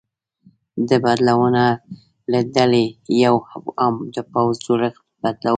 د بدلونونو له ډلې یو هم د پوځ جوړښت بدلول و